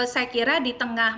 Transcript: saya kira di tengah